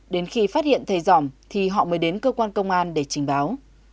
đến khi phát hiện thầy giòm thì họ mới đến cơ quan công an để trình báo